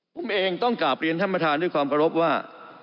ผมเองต้องกลับเรียนธรรมฐานด้วยความประรบว่า